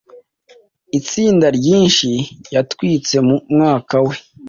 Itsinda ryinshi Yatwitse mu mwuka we